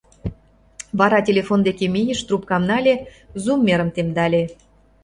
Вара, телефон деке мийыш, трубкам нале, зуммерым темдале: